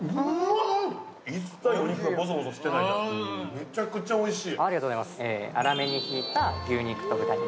めちゃくちゃおいしい！